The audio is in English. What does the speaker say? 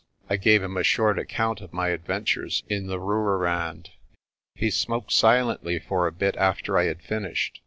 I gave him a short account of my adventures in the Rooirand. He smoked silently for a bit after I had finished.